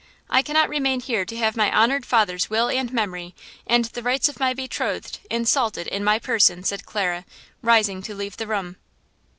I cannot remain here to have my honored father's will and memory, and the rights of my betrothed, insulted in my person!" said Clara, rising to leave the room.